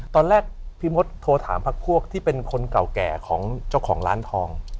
ตอนแรกพี่มดโทรถามพักพวกที่เป็นคนเก่าแก่ของเจ้าของร้านทอง